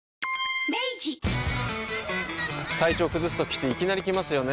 体調崩すときっていきなり来ますよね。